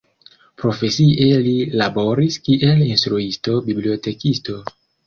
Profesie li laboris kiel instruisto-bibliotekisto.